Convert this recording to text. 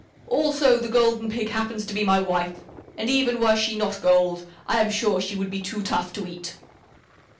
Also the Golden Pig happens to be my wife, and even were she not gold I am sure she would be too tough to eat."